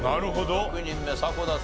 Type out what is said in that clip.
６人目迫田さん